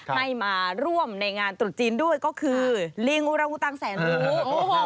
ให้มาร่วมในงานตรุษจีนด้วยก็คือลิงอุระอุตังแสนรู้